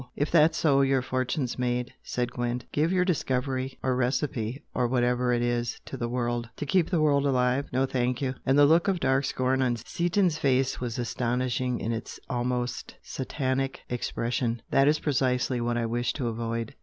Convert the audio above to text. "If that's so, your fortune's made" said Gwent, "Give your discovery, or recipe, or whatever it is, to the world " "To keep the world alive? No, thank you!" And the look of dark scorn on Seaton's face was astonishing in its almost satanic expression "That is precisely what I wish to avoid!